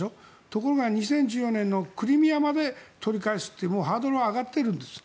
ところが、２０１４年のクリミアまで取り返すってもうハードルが上がってるんです。